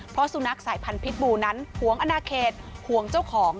เพราะสุนัขสายพันธิ์บูนั้นห่วงอนาเขตห่วงเจ้าของ